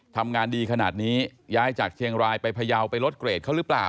ทำงานดีขนาดนี้ย้ายจากเชียงรายไปพยาวไปลดเกรดเขาหรือเปล่า